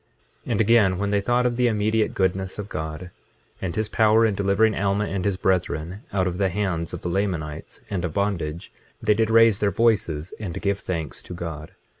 25:10 And again, when they thought of the immediate goodness of God, and his power in delivering Alma and his brethren out of the hands of the Lamanites and of bondage, they did raise their voices and give thanks to God.